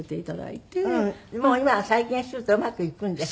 もう今は再建するとうまくいくんですって？